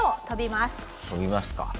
飛びますか。